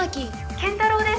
健太郎です！